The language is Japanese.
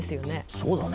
そうだね。